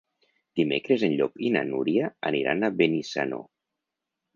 Dimecres en Llop i na Núria aniran a Benissanó.